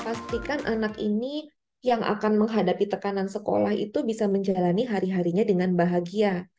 pastikan anak ini yang akan menghadapi tekanan sekolah itu bisa menjalani hari harinya dengan bahagia